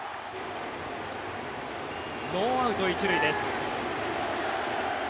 ノーアウト一塁です。